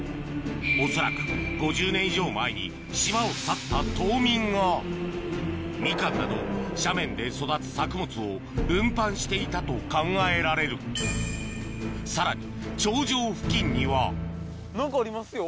恐らく５０年以上前に島を去った島民がミカンなど斜面で育つ作物を運搬していたと考えられるさらに何かありますよ。